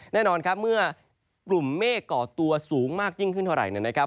แน่นอนเมื่อกลุ่มเมฆเกาะตัวสูงมากยิ่งขึ้นเท่าไหร่